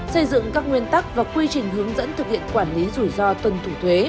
xây dựng các nguyên tắc và quy trình hướng dẫn thực hiện quản lý rủi ro tốt